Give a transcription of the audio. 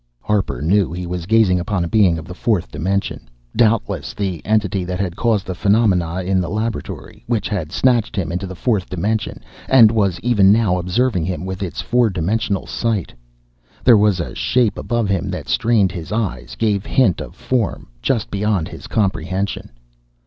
Harper knew he was gazing upon a being of the fourth dimension doubtless the Entity that had caused the phenomena in the laboratory, which had snatched him into the fourth dimension, and was even now observing him with its four dimensional sight! There was a shape above him that strained his eyes, gave hint of Form just beyond his comprehension.